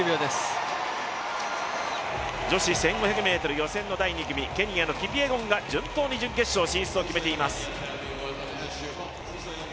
女子１５００ｍ予選の第２組、ケニアのキピエゴンが順当に準決勝進出を決めています。